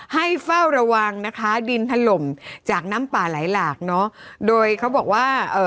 เฝ้าระวังนะคะดินถล่มจากน้ำป่าไหลหลากเนอะโดยเขาบอกว่าเอ่อ